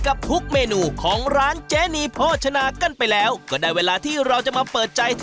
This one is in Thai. อันนี้ของร้านนะฮะปลาชอตอกแตกนะฮะนะฮะ